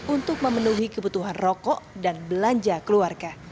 untuk memenuhi kebutuhan rokok dan belanja keluarga